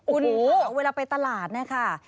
โอ้โฮคุณค่ะเวลาไปตลาดนี่ค่ะ